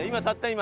今？